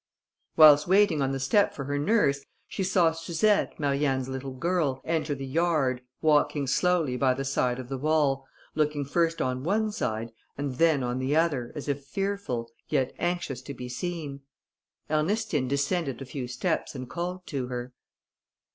Whilst waiting on the step for her nurse, she saw Suzette, Marianne's little girl, enter the yard, walking slowly by the side of the wall, looking first on one side, and then on the other, as if fearful, yet anxious to be seen. Ernestine descended a few steps and called to her.